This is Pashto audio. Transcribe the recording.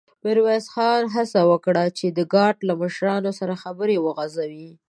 ميرويس خان هڅه وکړه چې د ګارد له مشر سره خبرې وغځوي.